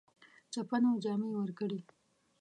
چپنه او جامې ورکړې.